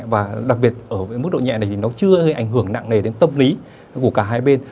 và đặc biệt ở mức độ nhẹ này thì nó chưa hơi ảnh hưởng nặng nề đến tâm lý của cả hai bên